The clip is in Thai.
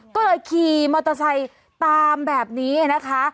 ก็เลยขี่มอเตอร์ไซค์ตามแบบนี้นะคะ